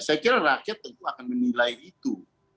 saya kira rakyat tentu akan menilai itu